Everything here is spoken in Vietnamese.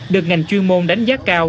được ngành chuyên môn đánh giá cao